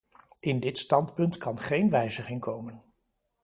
In dit standpunt kan geen wijziging komen.